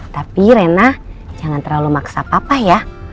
tapi rena jangan terlalu maksa papa ya